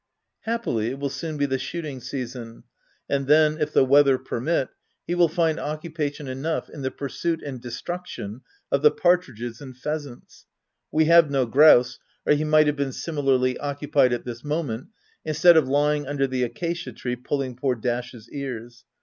Happily, it will soon be the shooting season, and then, if the weather permit, he will find occupation enough in the pursuit and destruc tion of the partridges and pheasants : we have no grouse, or he might have been similarly oc cupied at this moment, instead of lying under the accacia tree pulling poor Dash's ears.